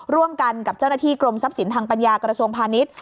ร่วมกันกับเจ้าหน้าที่กรมทรัพย์สินทางปัญญากระทรวงพาณิชย์